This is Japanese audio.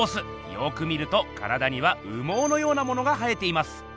よく見ると体には羽毛のようなものが生えています。